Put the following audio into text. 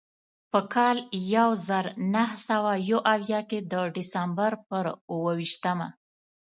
په کال یو زر نهه سوه یو اویا کې د ډسمبر پر اوه ویشتمه.